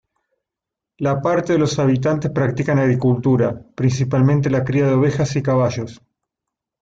La parte de los habitantes practican agricultura, principalmente la cría de ovejas y caballos.